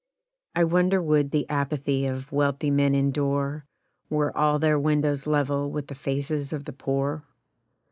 I wonder would the apathy of wealthy men endure Were all their windows level with the faces of the Poor?